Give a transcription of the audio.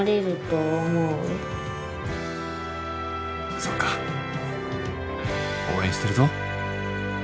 そっか応援してるぞ！